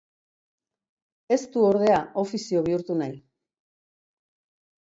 Ez du, ordea, ofizio bihurtu nahi.